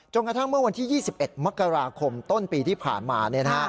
กระทั่งเมื่อวันที่๒๑มกราคมต้นปีที่ผ่านมา